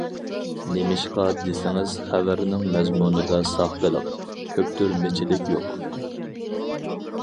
نېمىشقا دېسىڭىز، خەۋەرنىڭ مەزمۇنىدا ساختىلىق، كۆپتۈرمىچىلىك يوق.